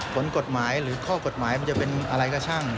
ผลกฎหมายหรือข้อกฎหมายมันจะเป็นอะไรก็ช่าง